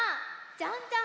「じゃんじゃん！